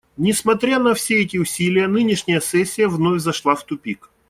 Несмотря на все эти усилия, нынешняя сессия вновь зашла в тупик.